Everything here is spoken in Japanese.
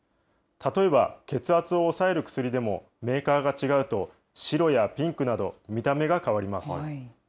例えば、血圧を抑える薬でもメーカーが違うと、白やピンクなど、見た目が変わります。